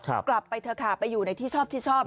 กลับไปเถอะค่ะไปอยู่ในที่ชอบ